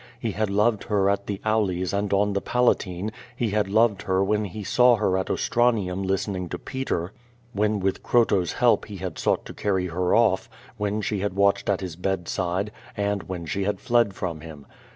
He had loved her at the xVuli's and on the Palatine, he had loved her when he saw her at Ostranium listening to Peter, when with Croto's help he had sought to carry her off, when she had watched at his bedside, and when she had fled from him.